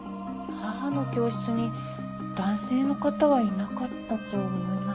母の教室に男性の方はいなかったと思います。